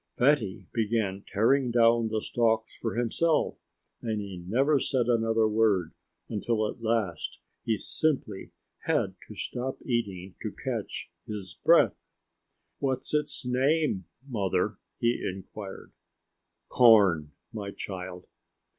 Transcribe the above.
Fatty began tearing down the stalks for himself and he never said another word until at last he simply had to stop eating just to catch his breath. "What's its name, Mother?" he inquired. "Corn, my child."